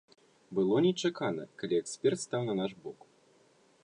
Было нечакана, калі эксперт стаў на наш бок.